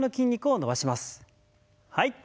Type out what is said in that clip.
はい。